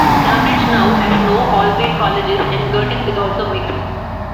Cambridge now has no all-male colleges and Girton is also mixed.